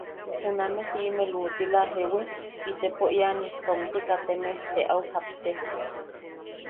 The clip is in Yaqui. Juname siʼime luʼutila ¿jewi? Itepo iani, tomti kateme, te au japtek.